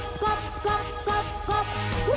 เตรียมพับกรอบ